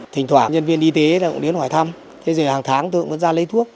thỉnh thoảng nhân viên y tế cũng đến hỏi thăm thế rồi hàng tháng tôi cũng vẫn ra lấy thuốc